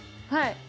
はい。